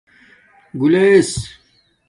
گُولیس